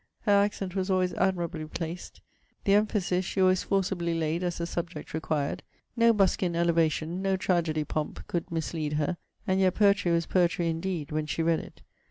Her accent was always admirably placed. The emphasis she always forcibly laid as the subject required. No buskin elevation, no tragedy pomp, could mislead her; and yet poetry was poetry indeed, when she read it.